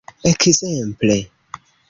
Ekzemple!